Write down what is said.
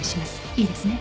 いいですね？